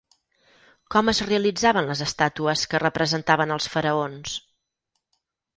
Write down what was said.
Com es realitzaven les estàtues que representaven als faraons?